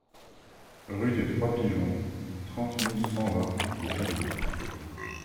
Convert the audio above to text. Rue des Trois Pigeons, trente mille cent vingt Le Vigan